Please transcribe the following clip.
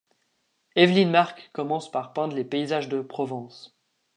Evelyn Marc commence par peindre les paysages de Provence.